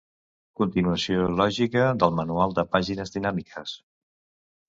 Continuació lògica del manual de pàgines dinàmiques.